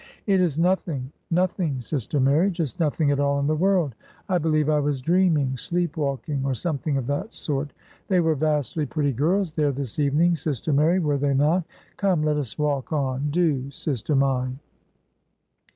"It is nothing nothing, sister Mary; just nothing at all in the world. I believe I was dreaming sleep walking, or something of that sort. They were vastly pretty girls there this evening, sister Mary, were they not? Come, let us walk on do, sister mine."